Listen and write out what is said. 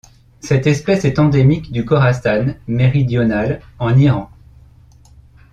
Cette espèce est endémique du Khorasan méridional en Iran.